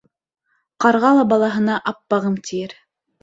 Ҡарға ла балаһына «аппағым» тиер